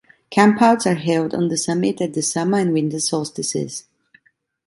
Campouts are held on the summit at the summer and winter solstices.